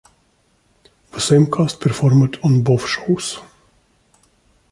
The same cast performed on both shows.